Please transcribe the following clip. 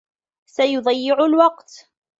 سيضيّع الوقت.